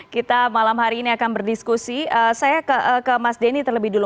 kita malam hari ini akan berdiskusi saya ke mas denny terlebih dulu